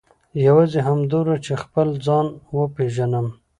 یوازې همدومره چې خپل ځان وپېژنم.